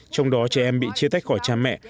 trong đó trẻ em bị chia tách khỏi cha mẹ